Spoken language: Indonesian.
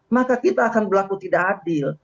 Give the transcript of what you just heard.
maka kita akan berlaku tidak adil